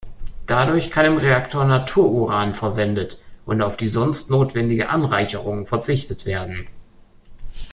Dadurch kann im Reaktor Natur-Uran verwendet und auf die sonst notwendige Anreicherung verzichtet werden.